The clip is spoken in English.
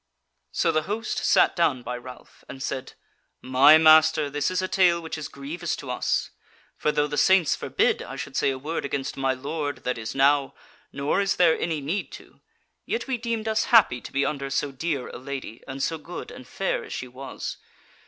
So the host sat down by Ralph and said: "My master, this is a tale which is grievous to us: for though the saints forbid I should say a word against my lord that is now, nor is there any need to, yet we deemed us happy to be under so dear a lady and so good and fair as she was.